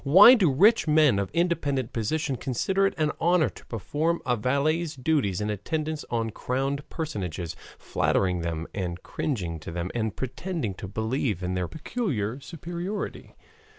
Why do rich men of independent position consider it an honor to perform a valet's duties in attendance on crowned personages, flattering them and cringing to them and pretending to believe in their peculiar superiority?